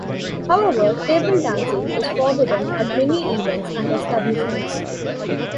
However, table dancing is forbidden at many events and establishments.